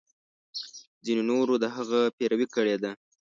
ځینو نورو د هغه پیروي کړې ده.